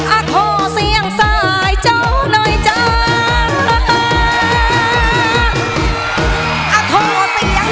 อ่ะขอเสียงสายเจ้าหน่อยจ้า